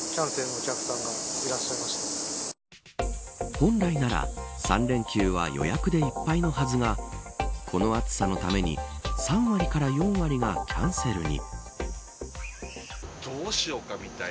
本来なら、３連休は予約でいっぱいなはずがこの暑さのために３割から４割がキャンセルに。